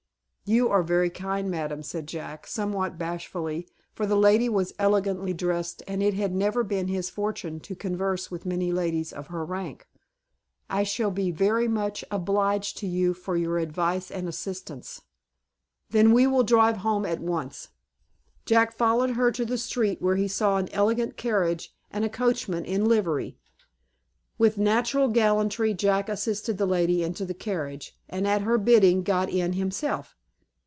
"You are very kind, madam," said Jack, somewhat bashfully; for the lady was elegantly dressed, and it had never been his fortune to converse with many ladies of her rank; "I shall be very much obliged to you for your advice and assistance." "Then we will drive home at once." Jack followed her to the street, where he saw an elegant carriage, and a coachman in livery. With natural gallantry, Jack assisted the lady into the carriage, and, at her bidding, got in himself.